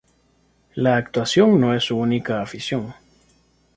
La actuación no es su única afición.